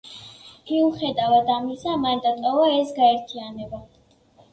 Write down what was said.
მიუხედავად ამისა, მან დატოვა ეს გაერთიანება.